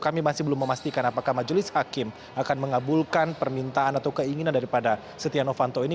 kami masih belum memastikan apakah majelis hakim akan mengabulkan permintaan atau keinginan daripada setia novanto ini